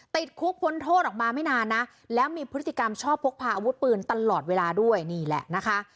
ติดคุกพ้นโทษออกมาไม่นานนะแล้วมีพฤติกรรมชอบพกพาอาวุธปืนตลอดเวลาด้วยนี่แหละนะคะ